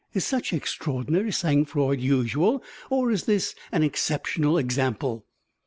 Is such extraordinary sang froid usual, or is this an exceptional example?"